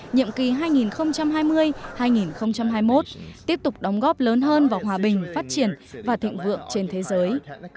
nhiệm kỳ hai nghìn hai mươi hai nghìn hai mươi một tiếp tục đóng góp lớn hơn vào hòa bình phát triển và thịnh vượng trên thế giới